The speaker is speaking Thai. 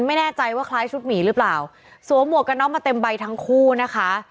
ไม่แน่ใจว่าคล้ายชุดหมีหรือเปล่าสวมหมวกกันน็อกมาเต็มใบทั้งคู่นะคะ